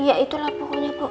iya itulah pokoknya bu